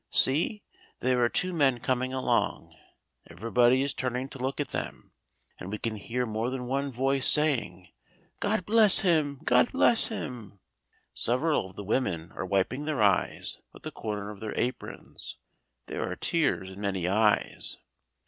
See! there are two men coming along, everybody is turning to look at them, and we can hear more than one voice saying: "God bless him! God bless him!" Several of the women are wiping their eyes with the corner of their aprons; there are tears in many eyes.